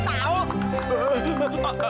dasar gak kreatif aku rugi tahu